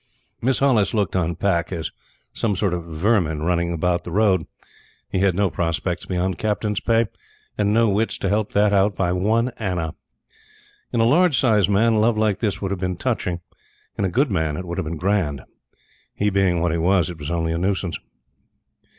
Miss Hollis looked on Pack as some sort of vermin running about the road. He had no prospects beyond Captain's pay, and no wits to help that out by one anna. In a large sized man, love like his would have been touching. In a good man it would have been grand. He being what he was, it was only a nuisance.